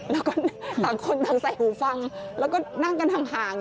แล้วก็ต่างคนต่างใส่หูฟังแล้วก็นั่งกันห่าง